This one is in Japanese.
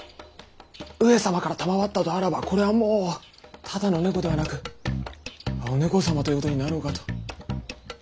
上様から賜ったとあらばこれはもうただの猫ではなく「お猫様」ということになろうかと。